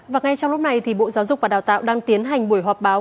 và ngay trong lúc này thì bộ giáo dục và đào tạo đang tiến hành buổi họp báo